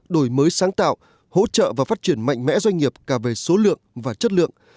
đổi mới sáng tạo hỗ trợ và phát triển mạnh mẽ doanh nghiệp cả về số lượng và chất lượng